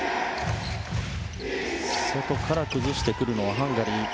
外から崩してくるハンガリー。